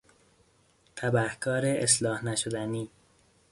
تبهکار اصلاح نشدنی